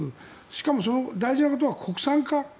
しかも大事なことは国産化。